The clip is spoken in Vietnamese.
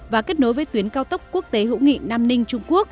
và kết nối với tuyến cao tốc quốc tế hữu nghị nam ninh